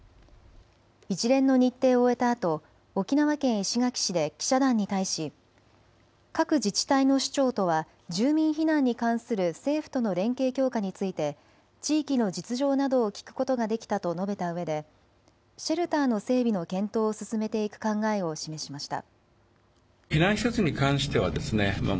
一連の日程を終えたあと沖縄県石垣市で記者団に対し各自治体の首長とは住民避難に関する政府との連携強化について地域の実情などを聞くことができたと述べたうえでシェルターの整備の検討を進めていく考えを示しました。